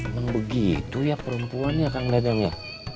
emang begitu ya perempuan ya kang dadang ya